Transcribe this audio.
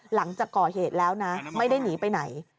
หลังจากก่อเหตุแล้วนะไม่ได้หนีไปไหน